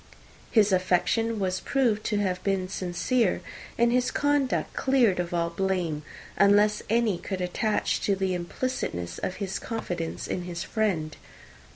His affection was proved to have been sincere, and his conduct cleared of all blame, unless any could attach to the implicitness of his confidence in his friend.